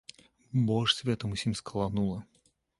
Бо аж светам усім скаланула.